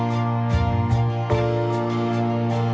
hẹn gặp lại